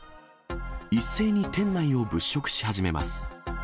一斉に店内を物色し始めます。